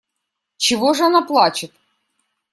Чего же она плачет?